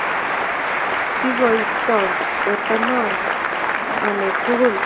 kikoito weroton ngalek tugul